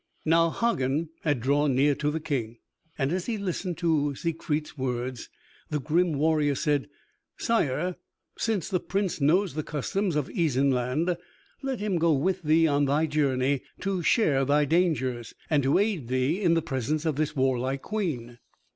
Now Hagen had drawn near to the King, and as he listened to Siegfried's words, the grim warrior said, "Sire, since the Prince knows the customs of Isenland, let him go with thee on thy journey, to share thy dangers, and to aid thee in the presence of this warlike Queen."